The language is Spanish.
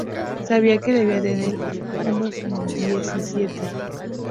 Sabía que debía tener unos diecisiete.